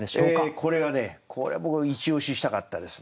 これはねこれは僕一押ししたかったですね。